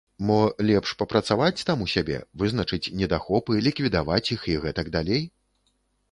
Мо, лепш папрацаваць там у сябе, вызначыць недахопы, ліквідаваць іх і гэтак далей?